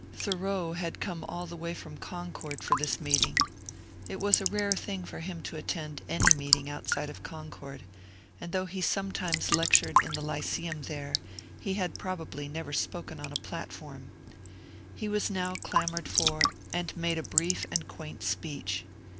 Thoreau had come all the way from Concord for this meet ing. It was a rare thing for him to attend any meeting outside of Concord, and though he sometimes lectured in the Ly ceum there, he had probably never spoken on a platform. He was now clamoured for and made a brief and quaint speech.